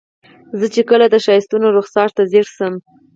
زه چې کله د ښایستونو رخسار ته ځیر شم.